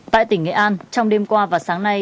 tại tỉnh nghệ an trong đêm qua và sáng nay